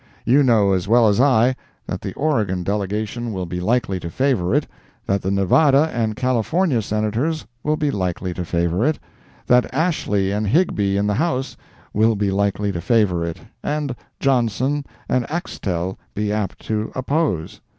You know as well as I, that the Oregon delegation will be likely to favor it; that the Nevada and California Senators will be likely to favor it; that Ashley and Higby in the House will be likely to favor it, and Johnson and Axtell be apt to oppose.